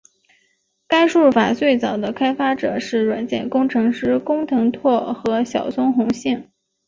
该输入法最早的开发者是软件工程师工藤拓和小松弘幸。